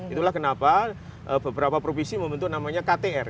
itulah kenapa beberapa provinsi membentuk namanya ktr